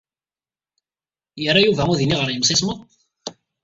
Yerra Yuba udi-nni ɣer yimsismeḍ?